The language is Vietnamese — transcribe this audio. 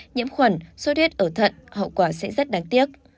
nhiễm khuẩn sốt huyết ở thận hậu quả sẽ rất đáng tiếc